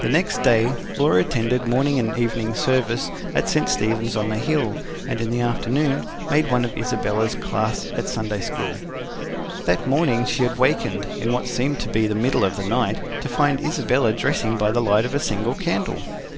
The next day Laura attended morning and evening service at St Stephen's on the Hill, and in the afternoon made one of Isabella's class at Sunday school. That morning she had wakened, in what seemed to be the middle of the night, to find Isabella dressing by the light of a single candle.